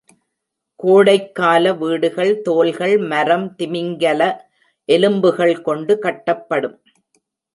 கோடைக்கால வீடுகள், தோல்கள், மரம், திமிங்கல எலும்புகள் கொண்டு கட்டப்படும்.